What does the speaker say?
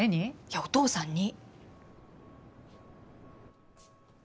いやお父さんに。